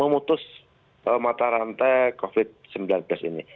memutus mata rantai covid sembilan belas ini